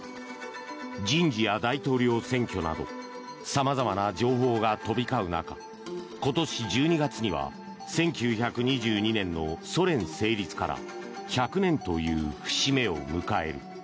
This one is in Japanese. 人事や大統領選挙などさまざまな情報が飛び交う中今年１２月には１９２２年のソ連成立から１００年という節目を迎える。